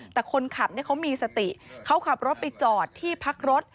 แต่คนขับเขามีสติเขาขับรถไปจอดที่พักรถ